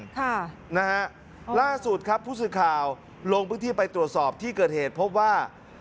ค่ะนะฮะล่าสุดครับผู้สื่อข่าวลงพื้นที่ไปตรวจสอบที่เกิดเหตุพบว่า